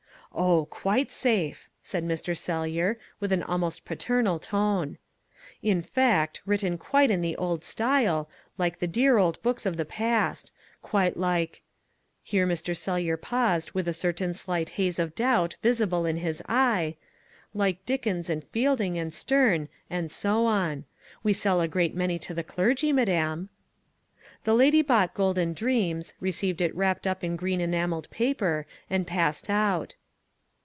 "Oh, quite safe," said Mr. Sellyer, with an almost parental tone, "in fact, written quite in the old style, like the dear old books of the past quite like" here Mr. Sellyer paused with a certain slight haze of doubt visible in his eye "like Dickens and Fielding and Sterne and so on. We sell a great many to the clergy, madam." The lady bought Golden Dreams, received it wrapped up in green enamelled paper, and passed out.